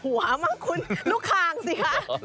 หัวมั้งคุณลูกคางสิคะ